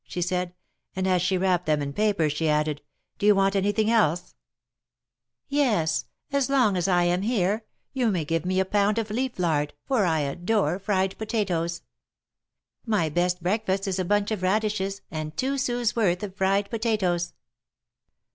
she said. And as she wrapped them in paper, she added ; Do you want anything else ?"" Yes, as long as I am here, you may give me a pound of leaf lard, for I adore fried potatoes. My best break fast is a bunch of radishes, and two sous worth of fried potatoes."